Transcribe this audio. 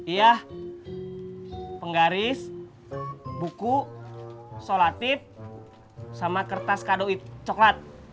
iya penggaris buku solatip sama kertas kado coklat